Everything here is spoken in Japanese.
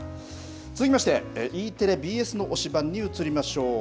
続きましてＥテレＢＳの推しバン！に移りましょう。